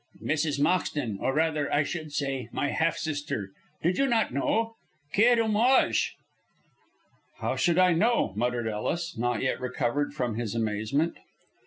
"Mrs. Moxton, or, rather, I should say, my half sister. Did you not know? Quel dommage!" "How should I know?" muttered Ellis, not yet recovered from his amazement.